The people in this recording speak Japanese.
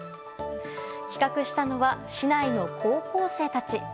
企画したのは市内の高校生たち。